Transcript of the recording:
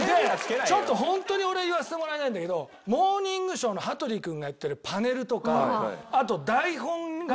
ちょっと本当に俺言わせてもらいたいんだけど『モーニングショー』の羽鳥君がやってるパネルとかあと台本があるんだよ。